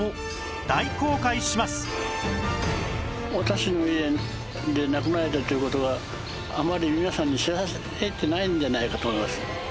私の家で亡くなられたっていう事はあまり皆さんに知られてないんじゃないかと思います。